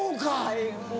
はいもう。